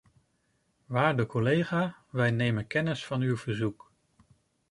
Waarde collega, wij nemen kennis van uw verzoek.